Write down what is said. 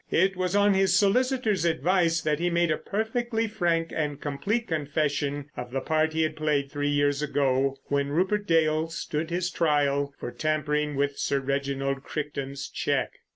It was on his solicitor's advice that he made a perfectly frank and complete confession of the part he had played three years ago when Rupert Dale stood his trial for tampering with Sir Reginald Crichton's cheque.